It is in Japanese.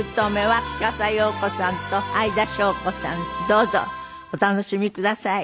どうぞお楽しみください。